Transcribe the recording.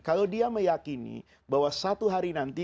kalau dia meyakini bahwa satu hari nanti